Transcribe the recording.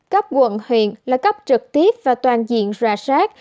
cấp quận huyện là cấp trực tiếp và toàn diện ra soát